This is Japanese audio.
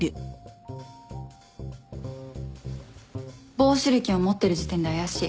棒手裏剣を持ってる時点で怪しい。